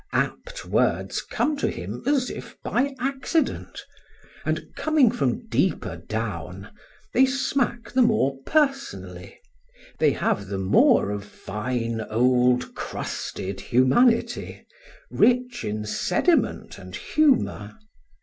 Apt words come to him as if by accident, and, coming from deeper down, they smack the more personally, they have the more of fine old crusted humanity, rich in sediment and humour.